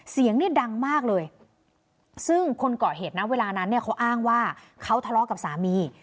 เสียงเนี่ยดังมากเลยซึ่งคนเกาะเหตุนะเวลานั้นเนี่ยเขาอ้างว่าเขาทะเลาะกับสามี